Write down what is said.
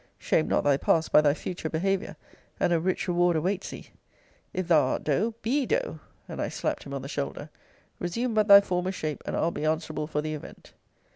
Shame not thy past by thy future behaviour; and a rich reward awaits thee. If thou art dough be dough; and I slapt him on the shoulder Resume but thy former shape, and I'll be answerable for the event.